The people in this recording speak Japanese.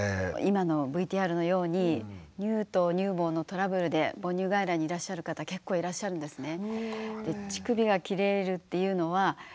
今のＶＴＲのように乳頭乳房のトラブルで母乳外来にいらっしゃる方結構いらっしゃるんですね。